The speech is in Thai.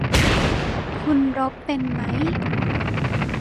คุณลบเป็นมั้ย